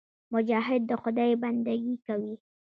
مجاهد د خدای بندګي کوي.